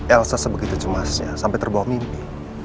elsa sebegitu cemasnya sampai terbawah mimpi